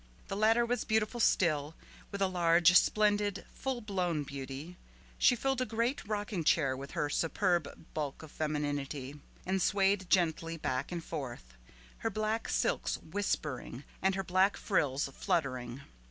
The latter was beautiful still, with a large, splendid, full blown beauty, she filled a great rocking chair with her superb bulk of femininity, and swayed gently back and forth, her black silks whispering and her black frills fluttering.